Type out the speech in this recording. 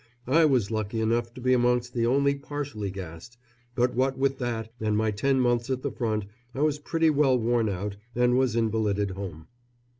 I was lucky enough to be amongst the only partially gassed, but what with that and my ten months at the front I was pretty well worn out and was invalided home.